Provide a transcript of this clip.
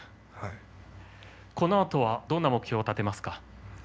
このあとどういう目標を立てますか？